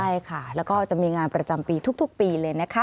ใช่ค่ะแล้วก็จะมีงานประจำปีทุกปีเลยนะคะ